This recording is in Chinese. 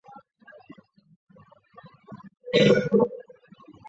中华民国宣布与印度断交。